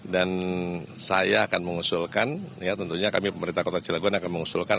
dan saya akan mengusulkan tentunya kami pemerintah kota cilgon akan mengusulkan